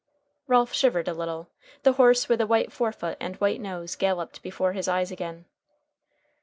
Ralph shivered a little. The horse with the white forefoot and white nose galloped before his eyes again.